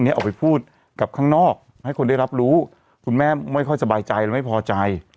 ออกไปพูดกับข้างนอกให้คนได้รับรู้คุณแม่ไม่ค่อยสบายใจและไม่พอใจ